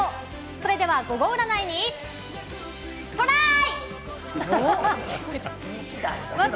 それではゴゴ占いにトラーイ！